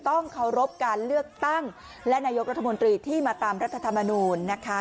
ต้องเคารพการเลือกตั้งและนายกรัฐมนตรีที่มาตามรัฐธรรมนูญนะคะ